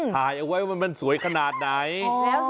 ถ่ายเอาไว้ว่ามันสวยขนาดไหน